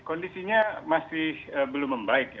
kondisinya masih belum membaik